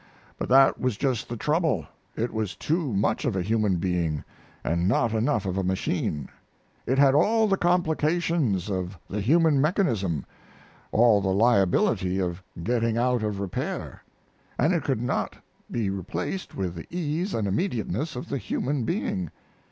But that was just the trouble; it was too much of a human being and not enough of a machine. It had all the complications of the human mechanism, all the liability of getting out of repair, and it could not be replaced with the ease and immediateness of the human being.